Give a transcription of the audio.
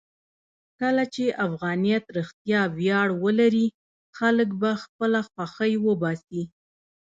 کله چې افغانیت رښتیا ویاړ ولري، خلک به خپله خوښۍ وباسي.